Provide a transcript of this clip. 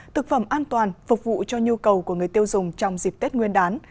thực phẩm an toàn phục vụ cho nhu cầu của người tiêu dùng trong dịp tết nguyên đán